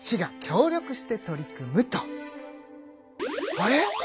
あれ！？